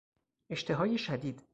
اشتهای شدید